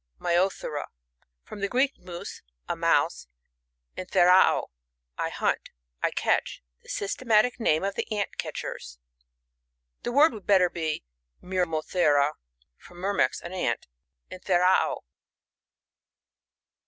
Myothera. — From the Greek, mus^ a mouse, and iherao^ I hunt, I catch. The systematic name of the Ant Catchers. (The word would be better, myrmothera^ from murmex, an ant, and therao.)